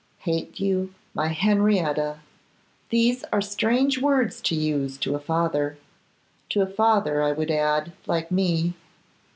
'Hate you, my Henrietta! These are strange words to use to a father; to a father, I would add, like me.